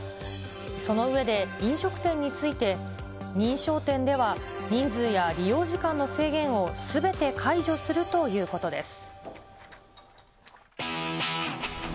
その上で、飲食店について、認証店では人数や利用時間の制限をすべて解除するということです。